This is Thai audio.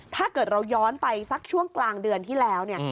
ถ้าเกิดเราย้อนไปสักช่วงกลางเดือนที่แล้วเนี่ย